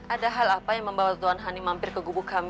ada hal apa yang membawa tuan hanim hampir ke gubuk kami